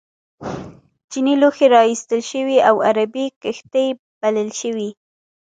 چینی لوښي را ایستل شوي او عربي کښتۍ بلل شوي.